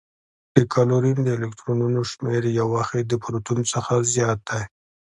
د کلورین د الکترونونو شمیر یو واحد د پروتون څخه زیات دی.